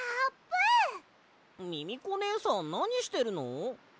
ミミコねえさんなにしてるの？